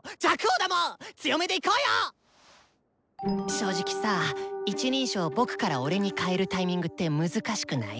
正直さ１人称「僕」から「俺」に変えるタイミングって難しくない？